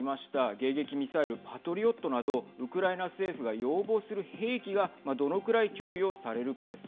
迎撃ミサイル、パトリオットなどウクライナ政府が要望する兵器がどのくらい供与されるかです。